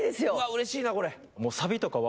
うれしいなこれ。